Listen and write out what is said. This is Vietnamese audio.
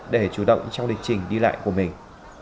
để chủ động trong lịch trình đi lại của mình